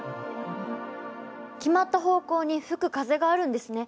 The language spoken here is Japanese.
決まった方向に吹く風があるんですね。